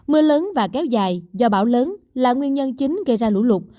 mưa lớn và kéo dài do bão lớn là nguyên nhân chính gây ra lũ lụt